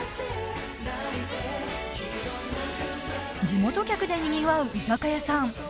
地元客でにぎわう居酒屋さん